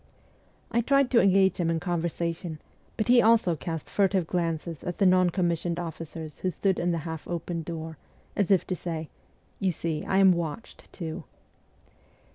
I tried to engage him in conversation ; but he also cast furtive glances at the non commissioned officers who stood in the half opened door, as if to say, ' You see, I am watched, too.'